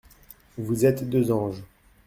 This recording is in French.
Vous êtes deux anges.